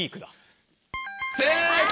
正解！